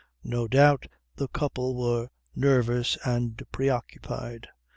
No doubt the couple were nervous and preoccupied.